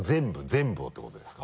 全部をってことですか？